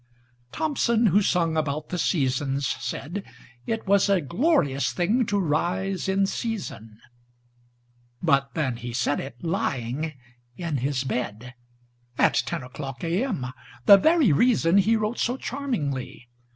Thomson, who sung about the "Seasons," saidIt was a glorious thing to rise in season; But then he said it—lying—in his bed, At ten o'clock A.M.,—the very reasonHe wrote so charmingly.